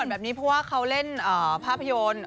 แบบนี้เพราะว่าเขาเล่นภาพยนตร์